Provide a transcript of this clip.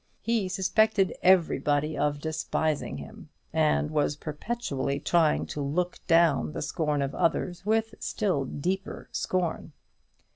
He suspected everybody of despising him, and was perpetually trying to look down the scorn of others with still deeper scorn.